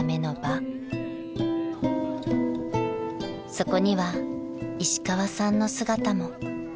［そこには石川さんの姿も］